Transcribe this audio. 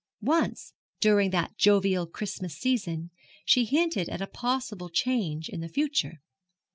Once, during that jovial Christmas season, she hinted at a possible change in the future.